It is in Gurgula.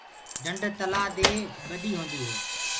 ڍنڊ تلآه دي ڀڏي هوندي هي۔